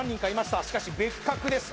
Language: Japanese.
しかし別格です